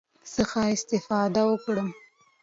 څخه استفاده وکړم،